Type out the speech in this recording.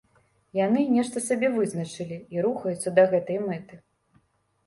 Яны нешта сабе вызначылі і рухаюцца да гэтай мэты.